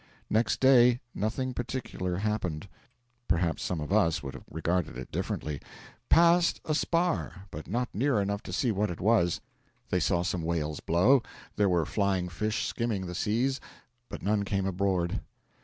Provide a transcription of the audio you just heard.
Next day 'nothing particular happened.' Perhaps some of us would have regarded it differently. 'Passed a spar, but not near enough to see what it was.' They saw some whales blow; there were flying fish skimming the seas, but none came aboard.